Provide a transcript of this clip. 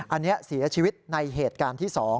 อันนี้เสียชีวิตในเหตุการณ์ที่๒